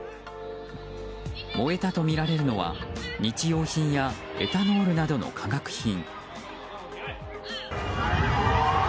燃えたとみられるのは日用品やエタノールなどの化学品。